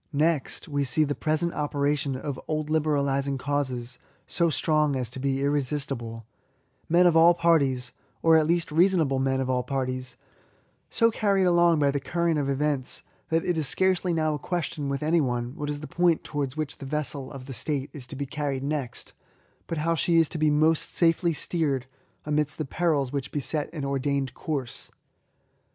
Next, we^ see the present operation of old libe ralising causes so strong as to be irresistible ; men of all parties — or, at least, reasonable men of all parties — so carried along by the current of events, that it is scarcely now a question with any one what is the point towards which the vessel of the State is to be carried next, but how she is to be most safely steered amidst the perils which beset an ordained course.